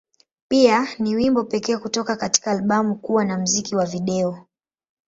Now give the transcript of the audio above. Pia, ni wimbo pekee kutoka katika albamu kuwa na muziki wa video.